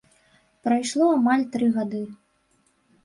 Прайшло амаль тры гады.